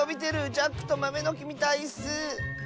「ジャックとまめのき」みたいッス！